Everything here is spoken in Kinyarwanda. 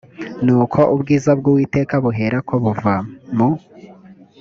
nuko ubwiza bw uwiteka buherako buva mu